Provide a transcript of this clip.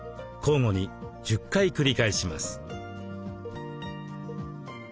交互に１０回繰り返します。